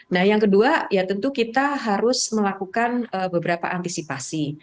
nah yang kedua ya tentu kita harus melakukan beberapa antisipasi